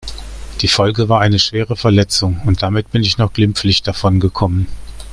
Die Folge war eine schwere Verletzung und damit bin ich noch glimpflich davon gekommen.